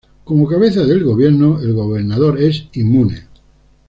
Como cabeza del gobierno, el Gobernador es inmune.